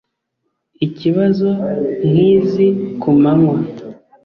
Ikibazo nkizi ku manywa